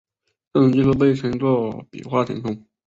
这种技术被称作笔画填充。